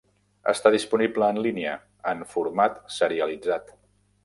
Està disponible en línia, en format serialitzat.